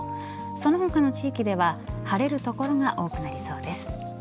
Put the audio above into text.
その他の地域では晴れる所が多くなりそうです。